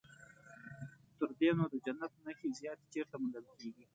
تر دې نو د جنت نښې زیاتې چیرته موندل کېږي.